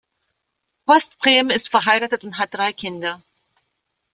Horst Prem ist verheiratet und hat drei Kinder.